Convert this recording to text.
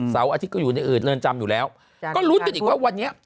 อาทิตย์ก็อยู่ในอืดเรือนจำอยู่แล้วก็ลุ้นกันอีกว่าวันนี้